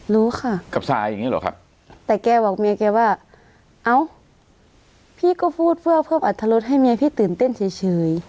รู้ค่ะแต่แกบอกเมียแกว่าเอาพี่ก็พูดเพื่อเพิ่มอรรถรสให้เมียพี่ตื่นเต้นเฉย